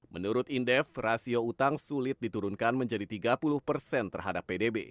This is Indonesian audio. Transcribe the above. menurut indef rasio utang sulit diturunkan menjadi tiga puluh persen terhadap pdb